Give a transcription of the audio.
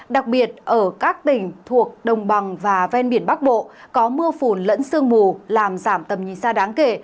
đặc biệt ở các tỉnh thuộc đồng bằng và ven biển bắc bộ có mưa phùn lẫn sương mù làm giảm tầm nhìn xa đáng kể